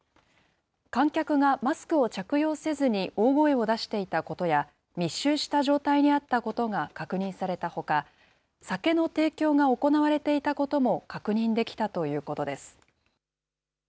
観客がマスクを着用せずに大声を出していたことや、密集した状態にあったことが確認されたほか、酒の提供が行われていたことも確認できたということです。